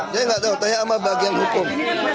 dia nggak tahu tanya sama bagian hukum